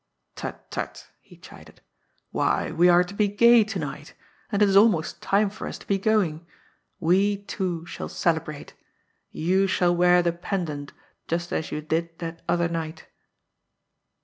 "Tut, tut!" he chided. "Why, we are to be gay to night! And it is almost time for us to be going. We, too, shall celebrate. You shall wear the pendant, just as you did that other night."